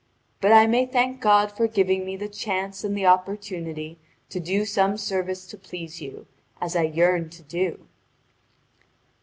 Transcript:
But I may thank God for giving me the chance and the opportunity to do some service to please you, as I yearned to do."